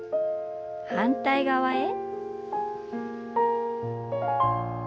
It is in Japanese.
反対側へ。